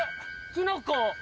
きのこ。